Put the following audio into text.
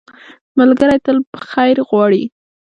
ملګری تل په خیر غواړي